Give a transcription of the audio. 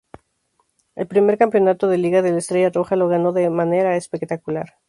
El primer campeonato de liga del Estrella Roja lo ganó de manera espectacular.